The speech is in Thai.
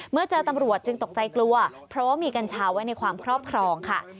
เมื่อเจอตำรวจจึงตกใจกลัวเพราะว่ามีกัญชาไว้ในความครอบครองค่ะ